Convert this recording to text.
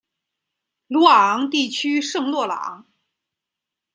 鲁瓦昂地区圣洛朗。